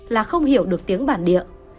là không hiểu được tiếng bản địa